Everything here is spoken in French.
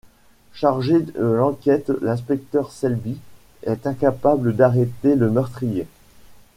Chargé de l'enquête, l'inspecteur Selby est incapable d'arrêter le meurtrier.